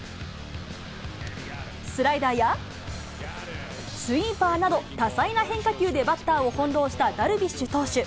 スライダーや、スイーパーなど、多彩な変化球でバッターを翻弄したダルビッシュ投手。